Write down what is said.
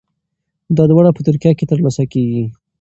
دا دواړه په ترکیه کې ترلاسه کیږي.